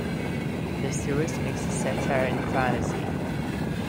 The series mixes satire and fantasy.